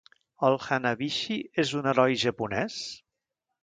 El Hanabishi és un heroi japonès?